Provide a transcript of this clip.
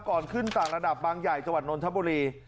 ก่อนขึ้นต่างระดับบางใหญ่จังหวัดนนทบุรี